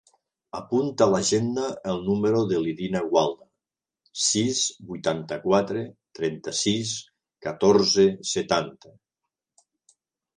Apunta a l'agenda el número de l'Irina Gualda: sis, vuitanta-quatre, trenta-sis, catorze, setanta.